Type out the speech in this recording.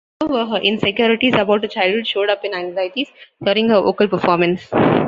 However, her insecurities about her childhood showed up in anxieties during her vocal performance.